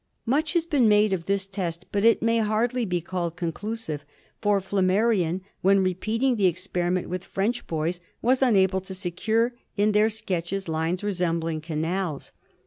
Much has been made of this test, but it may hardly be called con clusive, for Flammarion when repeating the experiment with French boys was unable to secure in their sketches lines resembling canals.